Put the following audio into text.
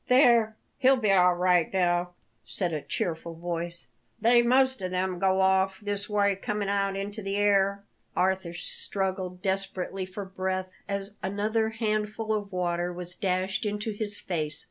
"There, he'll be all right now," said a cheerful voice; "they most of them go off this way coming out into the air." Arthur struggled desperately for breath as another handful of water was dashed into his face.